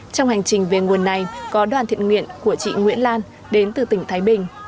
trong hành trình về nguồn này có đoàn thiện nguyện của chị nguyễn lan đến từ tỉnh thái bình